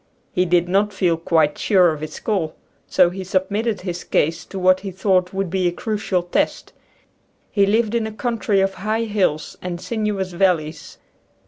He did not feel quite sure of his call, so he submitted his case to what he thought would be a crucial test. He lived in a country of high hills and sinuous valleys.